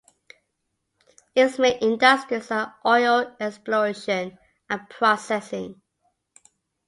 Its main industries are oil exploration and processing.